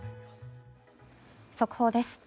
速報です。